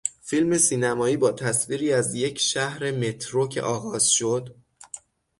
فیلم سینمایی با تصویری از یک شهر مترو که آغاز شد.